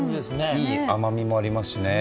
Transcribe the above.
いい甘みもありますしね。